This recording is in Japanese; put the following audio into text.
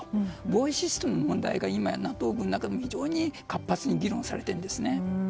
防衛システムの問題がＮＡＴＯ軍の中でも活発に議論されているんですね。